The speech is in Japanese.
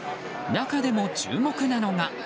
中でも注目なのが。